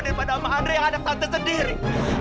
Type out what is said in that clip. daripada sama andre anak tante sendiri